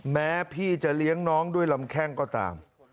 แม้พี่จะเลี้ยงน้องด้วยลำแข้งก็ตาม